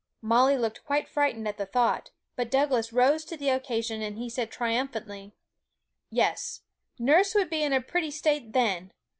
Molly looked quite frightened at the thought; but Douglas rose to the occasion, and he said triumphantly, 'Yes, nurse would be in a pretty state then!